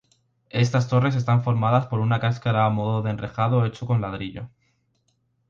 Estas torres están formadas por una cáscara a modo de enrejado hecho con ladrillo.